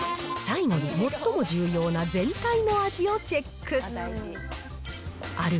最後に最も重要な全体の味をチェック。